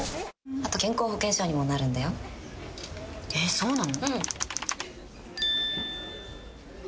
あと健康保険証にもなるんだえっ、そうなの？